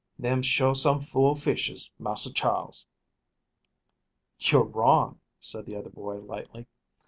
Them's sure some fool fishes, Massa Charles." "You're wrong," said the other boy lightly.